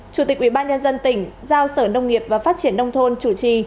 chủ tịch ubnd tỉnh giao sở nông nghiệp và phát triển nông thôn chủ trì